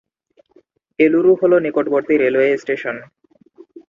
এলুরু হলো নিকটবর্তী railway station.